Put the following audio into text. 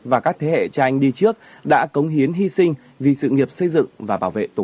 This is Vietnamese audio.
và các thế hệ cha anh đi trước đã cống hiến hy sinh vì sự nghiệp xây dựng và bảo vệ tổ quốc